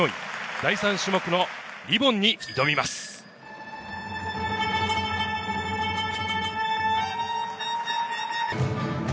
第３種目のリボンに挑みます。